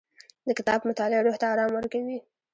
د کتاب مطالعه روح ته ارام ورکوي.